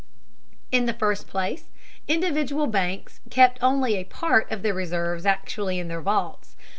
In the first place, individual banks kept only a part of their reserves actually in their vaults.